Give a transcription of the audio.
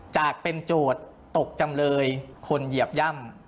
จากเป็นโจทย์ตกจำเลยคนเหยียบย่ำ